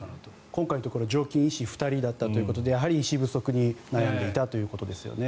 今回のところは常勤医師２人だったということでやはり医師不足に悩んでいたということですね。